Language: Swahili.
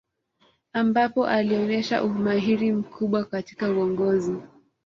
Ambapo alionesha umahiri mkubwa katika uongozi